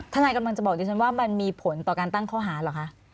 นายกำลังจะบอกดิฉันว่ามันมีผลต่อการตั้งข้อหาเหรอคะ